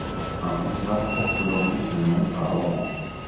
Un boulevard porte aujourd'hui son nom à Oran.